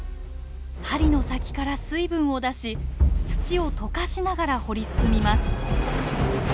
針の先から水分を出し土を溶かしながら掘り進みます。